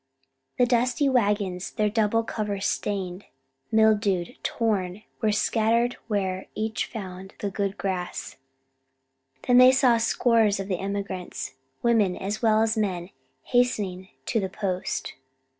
The dusty wagons, their double covers stained, mildewed, torn, were scattered where each found the grass good. Then they saw scores of the emigrants, women as well as men, hastening into the post.